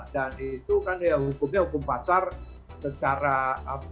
dan itu kan ya hukumnya hukum pasar secara apa